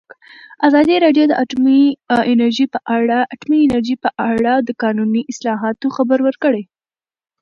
ازادي راډیو د اټومي انرژي په اړه د قانوني اصلاحاتو خبر ورکړی.